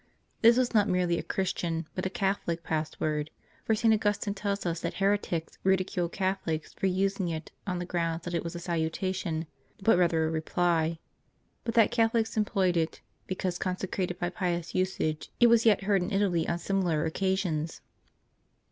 This was not merely a Christian, but a Catholic pass word ; for St. Augustine tells us that heretics ridi • culed Catholics for using it, on the ground that it was a salutation but rather a reply; but that Catholics employed it, because consecrated by pious usage. It is yet heard in Italy on similar occasions.